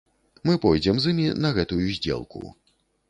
Мы пойдзем з імі на гэтую здзелку.